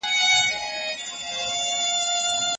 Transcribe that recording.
د پلار په توره مو د خپل تربور اوږې ماتي کړې